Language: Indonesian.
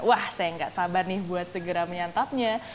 wah saya nggak sabar nih buat segera menyantapnya